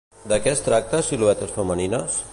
De què es tracta Siluetes femenines?